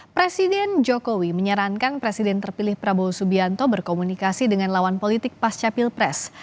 presiden jokowi menyarankan presiden terpilih prabowo subianto berkomunikasi dengan lawan politik pasca pilpres